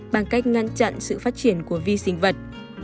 bằng cách ngăn chặn sự phát triển của vi sinh vật